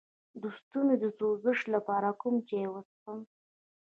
د ستوني د سوزش لپاره کوم چای وڅښم؟